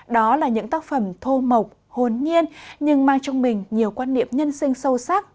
đó là những tác phẩm thô mộc hồn nhiên nhưng mang trong mình nhiều quan niệm nhân sinh sâu sắc